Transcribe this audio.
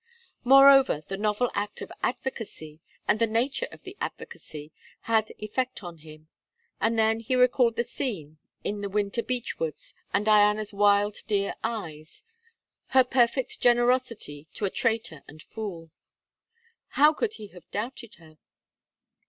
Moreover, the novel act of advocacy, and the nature of the advocacy, had effect on him. And then he recalled the scene in the winter beech woods, and Diana's wild deer eyes; her, perfect generosity to a traitor and fool. How could he have doubted her?